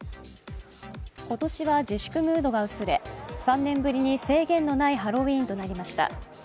今年は自粛ムードが薄れ、３年ぶりに制限のないハロウィーンとなりました。